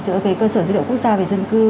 giữa cái cơ sở dữ liệu quốc gia và dân cư